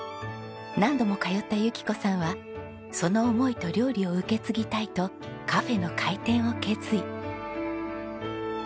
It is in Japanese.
何度も通った由紀子さんはその思いと料理を受け継ぎたいとカフェの開店を決意。